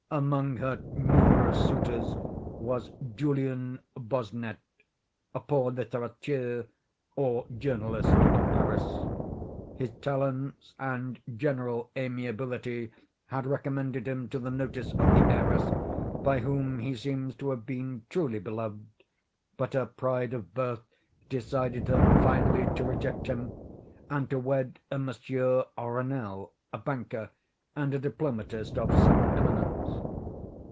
Among her numerous suitors was Julien Bossuet, a poor litterateur, or journalist of Paris. His talents and general amiability had recommended him to the notice of the heiress, by whom he seems to have been truly beloved; but her pride of birth decided her, finally, to reject him, and to wed a Monsieur Renelle, a banker and a diplomatist of some eminence.